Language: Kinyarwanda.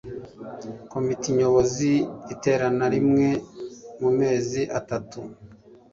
Komite Nyobozi iterana rimwe mu mezi atatu